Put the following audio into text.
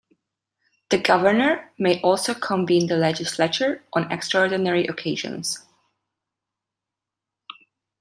The governor may also convene the legislature on "extraordinary occasions".